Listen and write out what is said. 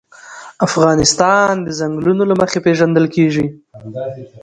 افغانستان د چنګلونه له مخې پېژندل کېږي.